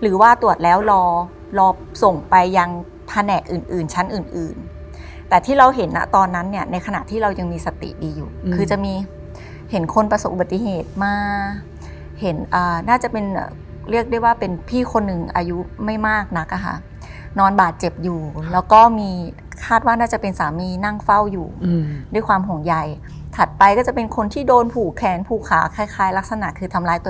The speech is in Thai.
หรือว่าตรวจแล้วรอรอส่งไปยังแผนกอื่นอื่นชั้นอื่นอื่นแต่ที่เราเห็นนะตอนนั้นเนี่ยในขณะที่เรายังมีสติดีอยู่คือจะมีเห็นคนประสบอุบัติเหตุมาเห็นอ่าน่าจะเป็นเรียกได้ว่าเป็นพี่คนหนึ่งอายุไม่มากนักอะค่ะนอนบาดเจ็บอยู่แล้วก็มีคาดว่าน่าจะเป็นสามีนั่งเฝ้าอยู่ด้วยความห่วงใยถัดไปก็จะเป็นคนที่โดนผูกแขนผูกขาคล้ายลักษณะคือทำร้ายต